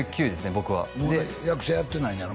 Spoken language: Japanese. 僕は役者やってないねやろ？